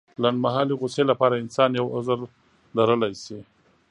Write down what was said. لنډمهالې غوسې لپاره انسان يو عذر لرلی شي.